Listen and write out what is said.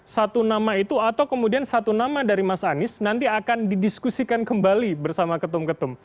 satu nama itu atau kemudian satu nama dari mas anies nanti akan didiskusikan kembali bersama ketum ketum